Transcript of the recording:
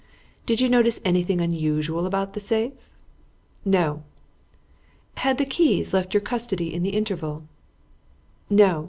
"Did you notice anything unusual about the safe?" "No." "Had the keys left your custody in the interval?" "No.